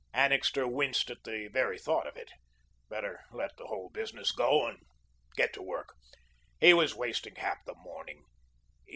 Annixter winced at the very thought of it. Better let the whole business go, and get to work. He was wasting half the morning.